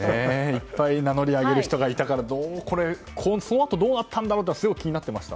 いっぱい名乗りを上げる人がいたからそのあとどうなったんだろうってすごく気になってました。